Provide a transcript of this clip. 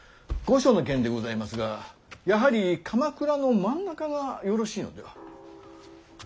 御所の件でございますがやはり鎌倉の真ん中がよろしいのでは。